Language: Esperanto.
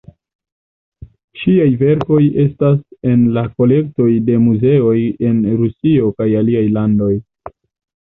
Ŝiaj verkoj estas en la kolektoj de muzeoj en Rusio kaj aliaj landoj.